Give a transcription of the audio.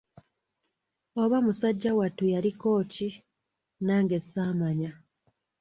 Oba musajja wattu yaliko ki, nage ssamanya.